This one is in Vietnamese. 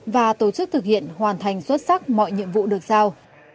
và tổ chức thực hiện hoàn thành xuất sắc mọi nhiệm vụ được giao